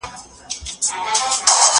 زه به سبا زدکړه وکړم!!